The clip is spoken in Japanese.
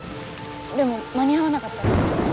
でも間に合わなかったら。